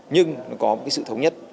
nhưng có sự thống nhất